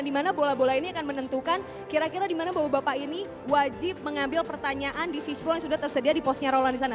dimana bola bola ini akan menentukan kira kira dimana bapak bapak ini wajib mengambil pertanyaan di fishball yang sudah tersedia di posnya roland disana